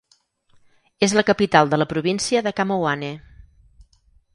És la capital de la província de Khammouane.